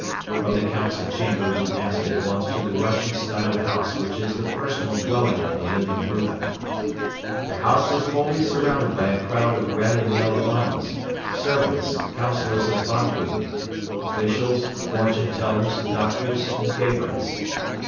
From the Council Chamber we passed at once to the Russian style house which is the personal dwelling of the Living Buddha. The house was wholly surrounded by a crowd of red and yellow Lamas; servants, councilors of Bogdo, officials, fortune tellers, doctors and favorites.